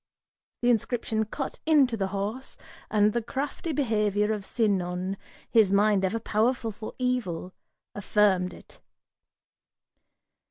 Th' inscription cut into the horse, and the crafty behavior Of Sinon, his mind ever powerful for evil, affirmed it.